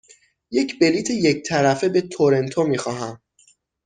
یک بلیط یک طرفه به تورنتو می خواهم.